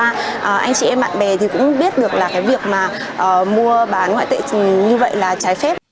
anh chị em bạn bè thì cũng biết được là cái việc mà mua bán ngoại tệ như vậy là trái phép